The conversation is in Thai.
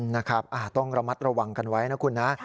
นะครับต้องระมัดระวังกันไว้นะคุณนะ